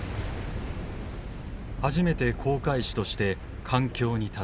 「初めて航海士として艦橋に立つ。